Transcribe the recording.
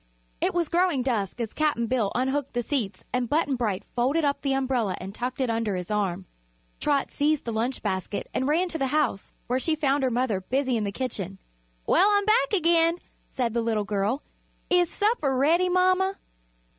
It was growing dusk as Cap'n Bill unhooked the seats and Button Bright folded up the umbrella and tucked it under his arm. Trot seized the lunch basket and ran to the house, where she found her mother busy in the kitchen. "Well, I'm back again," said the little girl. "Is supper ready, mama?"